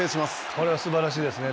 これは、すばらしいですね。